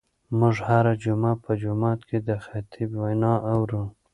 موږ هره جمعه په جومات کې د خطیب وینا اورو.